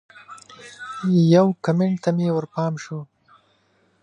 یو کمنټ ته مې ورپام شو